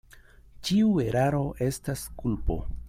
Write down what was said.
Ĉiu eraro estas kulpo.